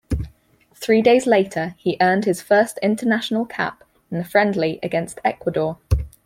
Three days later, he earned his first international cap in a friendly against Ecuador.